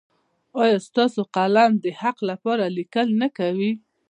ایا ستاسو قلم د حق لپاره لیکل نه کوي؟